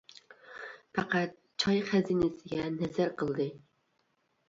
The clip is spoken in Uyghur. پەقەت چاي خەزىنىسىگە نەزەر قىلدى.